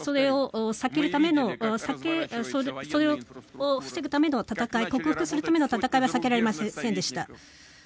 それを防ぐための戦い克服するための戦いは避けられませんでした。